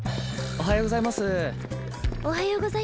おはようございます。